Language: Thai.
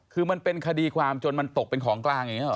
คือมันเป็นคดีความจนมันตกเป็นของกลางอย่างนี้หรอ